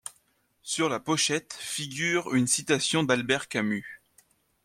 Sur la pochette figure une citation d'Albert Camus.